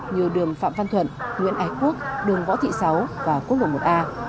như đường phạm văn thuận nguyễn ái quốc đường võ thị sáu và quốc lộ một a